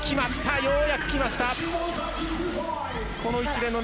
ようやくきました！